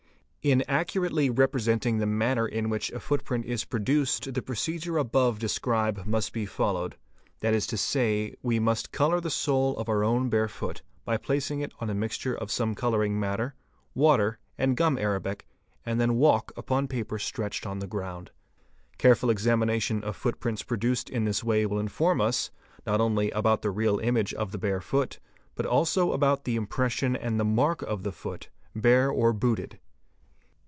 In accurately representing the manner in which a footprint is pro duced the procedure above described must be followed, that is to say, we must colour the sole of our own bare foot by placing it on a mixture of some colouring matter, water, and gum arabic, and then walk upon paper stretched on the ground. Careful examination of footprints pro duced in this way will inform us, not only about the real image of the bare foot, but also about the impression and the mark of the foot, bare or booted.